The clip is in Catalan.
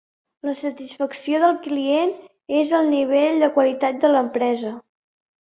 La satisfacció del client és el nivell de qualitat de l'empresa.